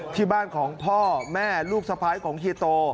ที่บ้านของพ่อแม่ลูกสะพ้ายของเฮียโต